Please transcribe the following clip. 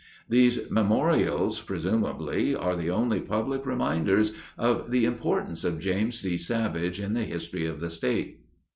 These memorials, presumably, are the only public reminders of the importance of James D. Savage in the history of the state.